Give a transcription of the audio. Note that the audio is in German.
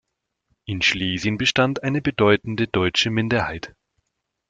In Schlesien bestand eine bedeutende deutsche Minderheit.